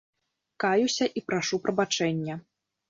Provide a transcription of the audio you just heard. Каюся і прашу прабачэння.